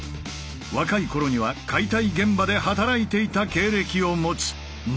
若い頃には解体現場で働いていた経歴を持つ魔裟斗！